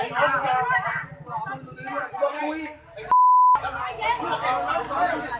สุดท้ายเหมือนจะมีกิจโทษแล้ว